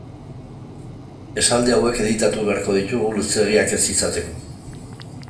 Esaldi hauek editatu beharko ditugu luzeegiak ez izateko.